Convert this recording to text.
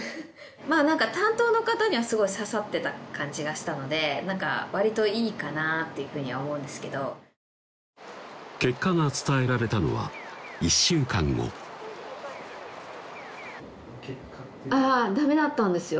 まぁ何か担当の方にはすごい刺さってた感じがしたので何か割といいかなっていうふうには思うんですけど結果が伝えられたのは１週間後あぁダメだったんですよ